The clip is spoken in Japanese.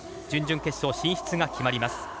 準々決勝進出が決まります。